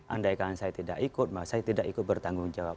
andaikan saya tidak ikut bahwa saya tidak ikut bertanggung jawab